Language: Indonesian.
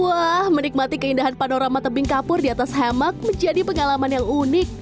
wah menikmati keindahan panorama tebing kapur di atas hemat menjadi pengalaman yang unik